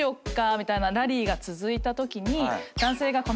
みたいなラリーが続いたときに男性が。